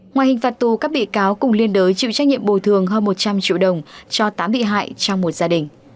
ngoài hình phạt tù các bị cáo cùng liên đới chịu trách nhiệm bồi thường hơn một trăm linh triệu đồng cho tám bị hại trong một gia đình